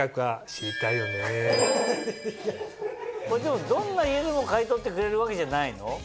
もちろんどんな家でも買い取ってくれるわけじゃないの？